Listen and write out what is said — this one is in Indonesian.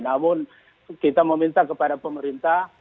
namun kita meminta kepada pemerintah